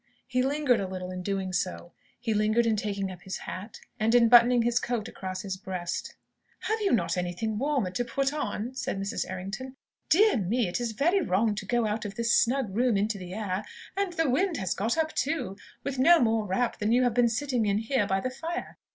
He lingered a little in doing so. He lingered in taking up his hat, and in buttoning his coat across his breast. "Have you not anything warmer to put on?" said Mrs. Errington. "Dear me, it is very wrong to go out of this snug room into the air and the wind has got up, too! with no more wrap than you have been sitting in, here by the fire!